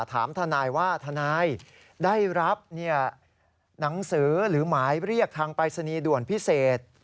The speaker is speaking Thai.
ถามทนายว่าทนายได้รับหนังสือหรือหมายเรียกทางปรายศนีย์ด่วนพิเศษ